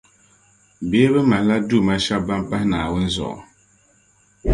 Bee bɛ malila duuma shεba ban pahi Naawuni zuɣu?